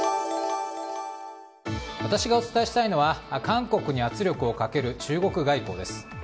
私がお伝えしたいのは韓国に圧力をかける中国外交です。